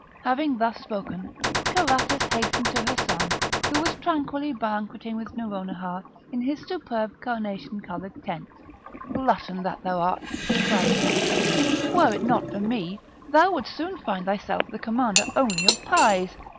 Having thus spoken, Carathis hastened to her son, who was tranquilly banqueting with Nouronihar in his superb carnation coloured tent. "Glutton that thou art!" cried she, "were it not for me, thou wouldst soon find thyself the commander only of pies.